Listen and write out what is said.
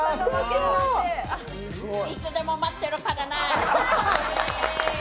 いつでも待ってるからな。